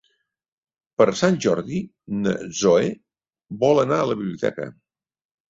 Per Sant Jordi na Zoè vol anar a la biblioteca.